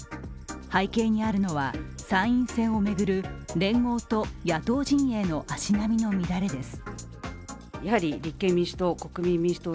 背景にあるのは、参院選を巡る連合と野党陣営の足並みの乱れです。